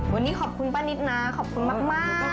วันนี้ขอบคุณป้านิดนะขอบคุณมากขอบคุณค่ะ